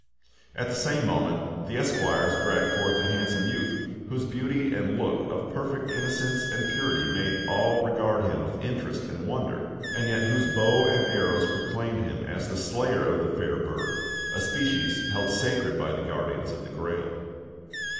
At the same moment, the Esquires dragged forth a handsome youth, whose beauty and look of perfect innocence and purity made all regard him with interest and wonder, and yet whose bow and arrows proclaimed him as the slayer of the fair bird, a species held sacred by the Guardians of the Grail.